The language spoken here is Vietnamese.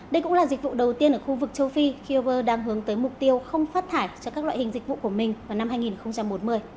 đây cũng là dịch vụ đầu tiên ở khu vực châu phi khi uver đang hướng tới mục tiêu không phát thải cho các loại hình dịch vụ của mình vào năm hai nghìn bốn mươi